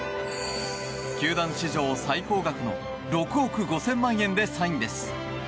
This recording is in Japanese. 球団史上最高額の６億５０００万円でサインです。